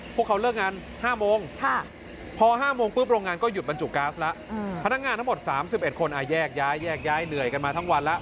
พนักงานทั้งหมด๓๑คนแยกเนื่อยกันมาทั้งวันแล้ว